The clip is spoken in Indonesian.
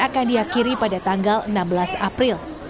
akan diakhiri pada tanggal enam belas april